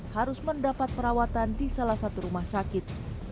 harus mendapat perawatan di salah satu rumah sakit